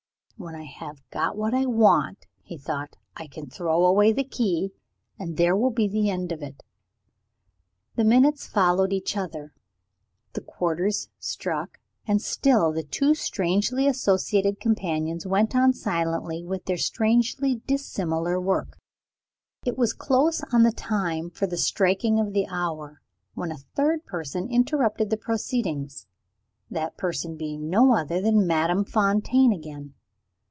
"When I have got what I want," he thought, "I can throw away the key and there will be an end of it." The minutes followed each other, the quarters struck and still the two strangely associated companions went on silently with their strangely dissimilar work. It was close on the time for the striking of the hour, when a third person interrupted the proceedings that person being no other than Madame Fontaine again.